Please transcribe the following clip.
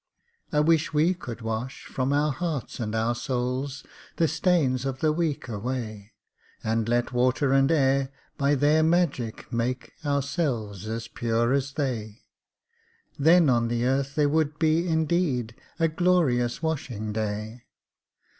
I wish we could wash from our hearts and our souls The stains of the week away, And let water and air by their magic make Ourselves as pure as they; Then on the earth there would be indeed A glorious washing day!